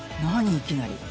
いきなり。